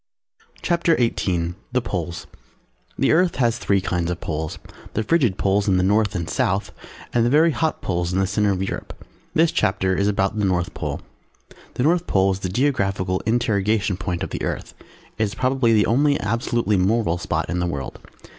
CHAPTER XVIII THE POLES The Earth has three kinds of Poles, the Frigid Poles in the North and South and the very hot Poles in the centre of Europe. This chapter is about the North Pole. The North Pole is the Geographical interrogation point of the Earth. It is probably the only absolutely moral spot in the World.